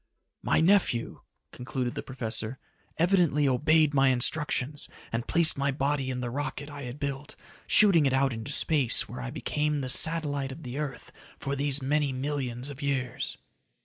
"My nephew," concluded the professor, "evidently obeyed my instructions and placed my body in the rocket I had built, shooting it out into space where I became the satellite of the earth for these many millions of years."